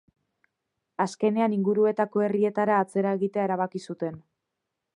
Azkenean inguruetako herrietara atzera egitea erabaki zuten.